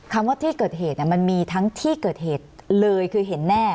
ว่าที่เกิดเหตุมันมีทั้งที่เกิดเหตุเลยคือเห็นแน่